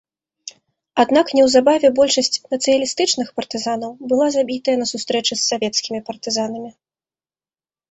Аднак неўзабаве большасць нацыяналістычных партызанаў была забітая на сустрэчы з савецкімі партызанамі.